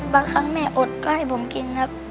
บางครั้งแม่อดก็ให้ผมกินครับ